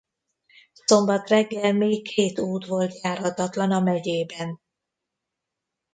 Szombat reggel még két út volt járhatatlan a megyében.